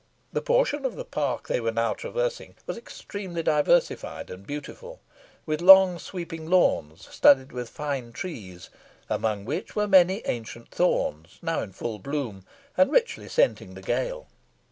The portion of the park they were now traversing was extremely diversified and beautiful, with long sweeping lawns studded with fine trees, among which were many ancient thorns, now in full bloom, and richly scenting the gale.